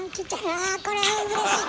あこれうれしい。